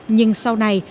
nhưng sau này